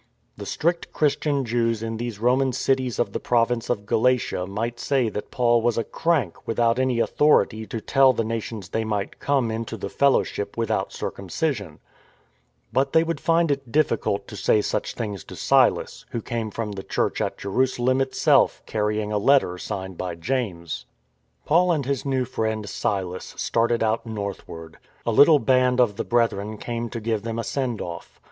The strict Christian Jews in these Roman cities of the province of Galatia might say that Paul was a crank without any authority to tell the Nations they might come into the Fellowship without circumcision; but they would find it difficult to say such things to Silas, who came from the Church at Jerusalem itself carry ing a letter signed by James. Paul and his new friend, Silas, started out north ward. A little band of the Brethren came to give them a send off.